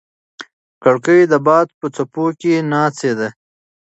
کړکۍ د باد په څپو کې ناڅېده.